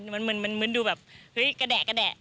มันเหมือนดูแบบเฮ้ยกระแดะกระแดะ